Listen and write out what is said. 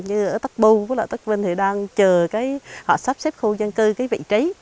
như ở tắc bu tắc vinh thì đang chờ họ sắp xếp khu giang cư vị trí